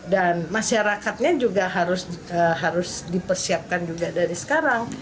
dan masyarakatnya juga harus dipersiapkan juga dari sekarang